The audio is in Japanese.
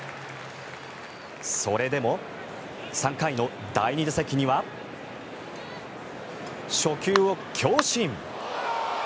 それでも３回の第２打席には初球を強振。